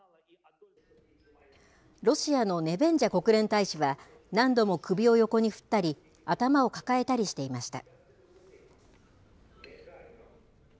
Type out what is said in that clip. ロシアのネベンジャ国連大使は、何度も首を横に振ったり、頭を抱えたりしていました。